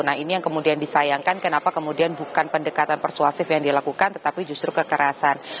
nah ini yang kemudian disayangkan kenapa kemudian bukan pendekatan persuasif yang dilakukan tetapi justru kekerasan